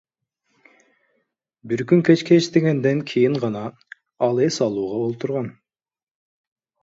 Бир күн кечке иштегенден кийин гана ал эс алууга отурган.